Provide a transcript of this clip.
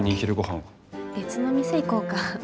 別の店行こうか？